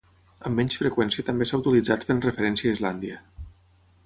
Amb menys freqüència també s'ha utilitzat fent referència a Islàndia.